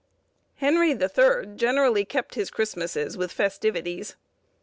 Henry the Third generally kept his Christmasses with festivities.